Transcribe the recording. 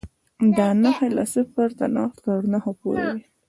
دا نښې له صفر تر نهو پورې وې.